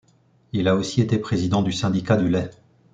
Il a aussi été président du syndicat du lait.